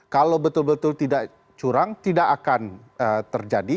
kalau betul betul tidak curang tidak akan terjadi